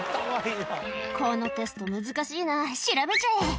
「このテスト難しいな調べちゃえ」